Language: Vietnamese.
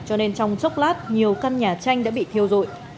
cho nên trong chốc lát nhiều căn nhà tranh đã bị thiêu dụi